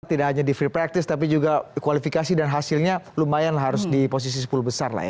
tidak hanya di free practice tapi juga kualifikasi dan hasilnya lumayan harus di posisi sepuluh besar lah ya